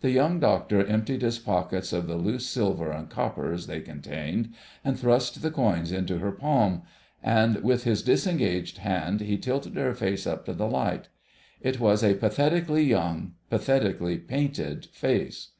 The Young Doctor emptied his pockets of the loose silver and coppers they contained, and thrust the coins into her palm: with his disengaged hand he tilted her face up to the light. It was a pathetically young, pathetically painted face.